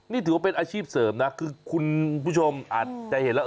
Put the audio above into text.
นี่ถือว่าเป็นอาชีพเสริมนะคือคุณผู้ชมอาจจะเห็นแล้ว